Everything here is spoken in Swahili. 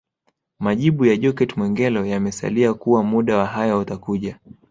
Majibu ya Jokate Mwegelo yamesalia kuwa muda wa hayo utakuja